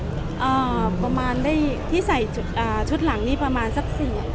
อ่าประมาณได้ที่ใส่ชุดอ่าชุดหลังนี่ประมาณสักสี่